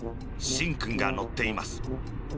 しんくんがのっています。